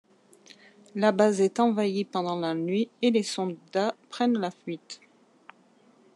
La base est envahie pendant la nuit et les soldats prennent la fuite.